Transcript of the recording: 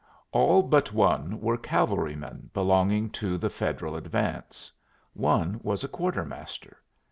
All but one were cavalrymen belonging to the Federal advance. One was a quartermaster.